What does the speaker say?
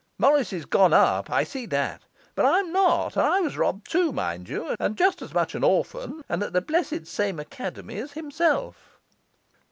Morris is gone up, I see that; but I'm not. And I was robbed, too, mind you; and just as much an orphan, and at the blessed same academy as himself.